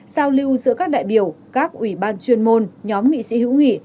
giao lưu giữa các đại biểu các ủy ban chuyên môn nhóm nghị sĩ hữu nghị